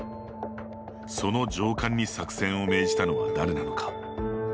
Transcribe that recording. その上官に作戦を命じたのは誰なのか。